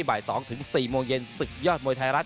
บ่าย๒ถึง๔โมงเย็นศึกยอดมวยไทยรัฐ